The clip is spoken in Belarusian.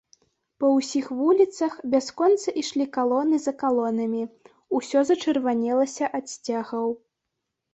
Па ўсіх вуліцах бясконца ішлі калоны за калонамі, усё зачырванелася ад сцягаў.